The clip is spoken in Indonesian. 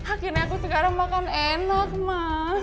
akhirnya aku sekarang makan enak ma